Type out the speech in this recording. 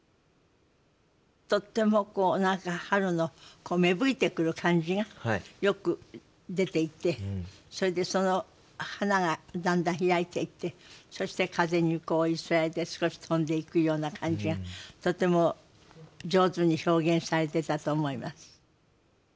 とってもこう何か春の芽吹いてくる感じがよく出ていてそれでその花がだんだん開いていってそして風にこう揺すられて少し飛んでいくような感じがとても上手に表現されてたと思います。